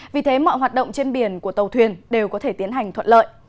vì thế mọi hoạt động trên biển của tàu thuyền đều có thể tiến hành thuận lợi